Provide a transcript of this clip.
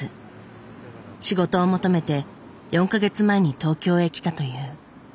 仕事を求めて４か月前に東京へ来たという。